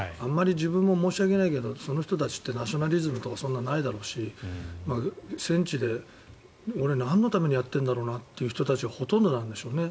自分も申し訳ないけどその人たちってナショナリズムとかそんなないだろうし、戦地で俺、なんのためにやってるんだろうなって人たちがほとんどなんでしょうね。